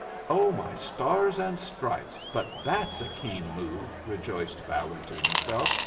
"Oh, my stars and stripes, but that's a keen move!" rejoiced Ballard to himself.